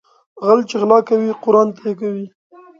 غل چې غلا کوي قرآن ته يې کوي